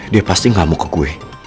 dia pasti gak mau ke kue